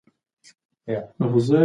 په لومړي پړاو کې د کاروبار ګټه کمه وي.